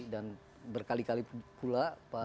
dan berkali kali pula pak prabowo